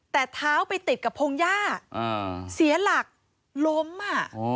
แต่เท้าไปติดกับพงหญ้าเสียหลักล้มอ่ะอ๋อ